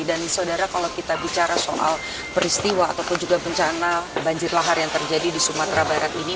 dan saudara kalau kita bicara soal peristiwa ataupun juga bencana banjir lahar yang terjadi di sumatera barat ini